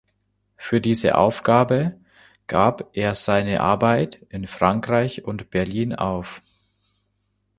Für diese Aufgabe gab er seine Arbeit in Frankreich und Berlin auf.